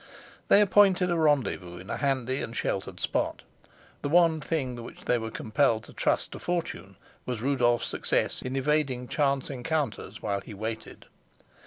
They appointed a rendezvous in a handy and sheltered spot; the one thing which they were compelled to trust to fortune was Rudolf's success in evading chance encounters while he waited.